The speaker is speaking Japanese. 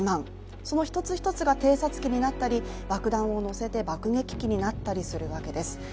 その一つ一つが偵察機になったり、爆弾を載せて爆撃機になったりするわけです。